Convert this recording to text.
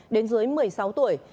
đến dưới một mươi sáu tuổi